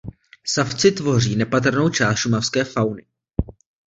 Savci tvoří nepatrnou část šumavské fauny.